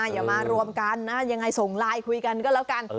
อย่ามารวมกันนะยังไงส่งไลน์คุยกันก็แล้วกัน